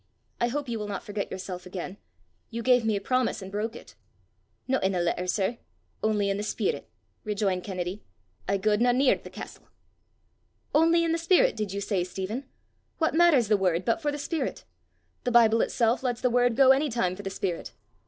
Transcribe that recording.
I hope you will not forget yourself again. You gave me a promise and broke it!" "No i' the letter, sir only i' the speerit!" rejoined Kennedy: "I gaedna near the castel!" "'Only in the spirit!' did you say, Stephen? What matters the word but for the spirit? The Bible itself lets the word go any time for the spirit!